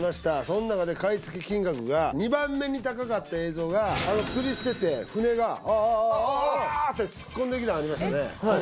その中で買い付け金額が２番目に高かった映像があの釣りしてて船がああああって突っ込んできたのありましたね